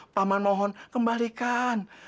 pak man mohon kembalikan